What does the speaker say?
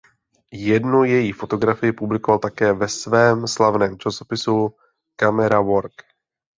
Jednu její fotografii publikoval také ve svém slavném časopisu Camera Work.